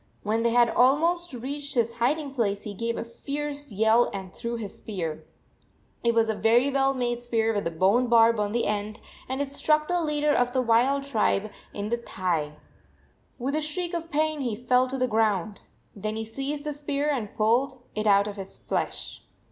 When they had almost reached his hiding place he gave a fierce yell and threw his spear. It was a very well made spear with a bone barb on the end, and it struck the leader of the wild tribe in the 94 thigh. With a shriek of pain he fell to the ground. Then he seized the spear and pulled it out of his flesh.